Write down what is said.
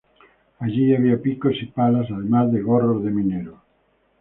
Allí había picos y palas, además de gorros de mineros.